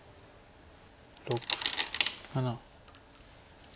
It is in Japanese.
６７。